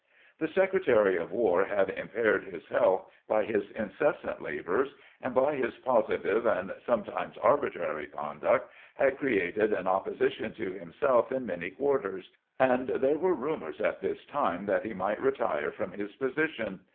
The Secretary of War Jiad impaired his health by his incessant labors, and by his positive and sometimes ar bitrary conduct had created an opposition to himself in many quarters, and there were rumors at this time that he might retire from his position.